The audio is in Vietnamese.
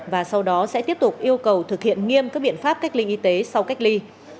và sau đó sẽ tiếp tục yêu cầu thực hiện nghiêm các biện pháp cách ly y tế sau cách ly